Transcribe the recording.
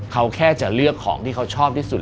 เขาแค่จะเลือกของที่เขาชอบที่สุด